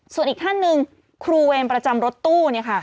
ส่วนอีกท่านหนึ่งครูเองประจำรถตู้